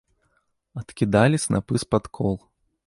Адкідалі снапы з-пад кол.